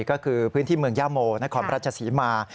ก็คือพื้นที่เมืองย่าโมนครราชศรีมา